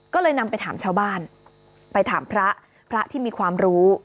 ก็เลยนำไปถามชาวบ้านไปถามพระพระที่มีความรู้